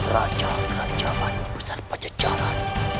raja kerajaan besar pancacaran